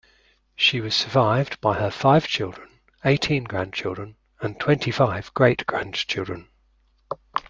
She was survived by her five children, eighteen grandchildren and twenty-five great-grandchildren.